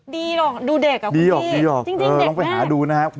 ดีหรอกดูเด็กอ่ะคุณพี่ดีหรอกดีหรอกจริงจริงเด็กแน่เออลองไปหาดูนะฮะ